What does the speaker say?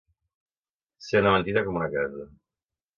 Ser una mentida com una casa.